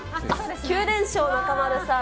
９連勝、中丸さん。